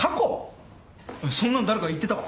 そんなの誰か言ってたか？